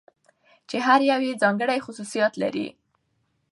چې هره يوه يې ځانګړى خصوصيات لري .